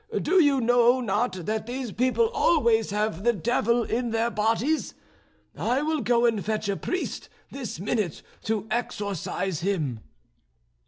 Do you not know that these people always have the devil in their bodies? I will go and fetch a priest this minute to exorcise him.'